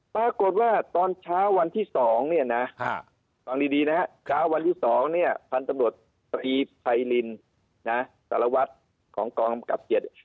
ปรากฏว่าตอนเช้าวันที่๒ฟันตำรวจพศสารวัสดิ์ของกรมกรรมกรรมกรรม๗